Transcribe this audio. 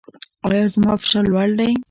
ایا زما فشار لوړ دی؟